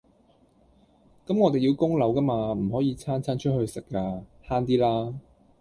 咁我哋要供樓㗎嘛，唔可以餐餐出去食㗎，慳啲啦